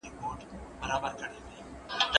زموږ عمل زموږ د فکر پایله ده.